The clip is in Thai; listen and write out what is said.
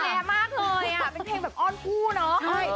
กับเพลงที่มีชื่อว่ากี่รอบก็ได้